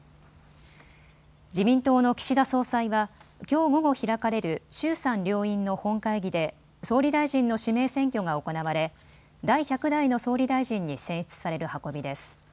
自民党の岸田総裁はきょう午後開かれる衆参両院の本会議で総理大臣の指名選挙が行われ、第１００代の総理大臣に選出される運びです。